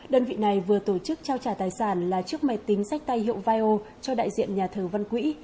đơn vị này vừa tổ chức trao trả tài sản là chiếc máy tính sách tay hiệu vio cho đại diện nhà thờ văn quỹ